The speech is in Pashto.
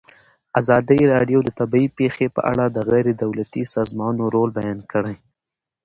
ازادي راډیو د طبیعي پېښې په اړه د غیر دولتي سازمانونو رول بیان کړی.